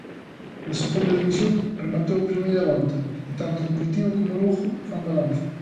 Na Segunda División, rematou a primeira volta, e tanto Deportivo como Lugo fan balance.